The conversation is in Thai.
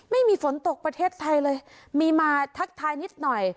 ไม่มีฝนตกประเทศไทยเลยมีมาทักทายนิดหน่อย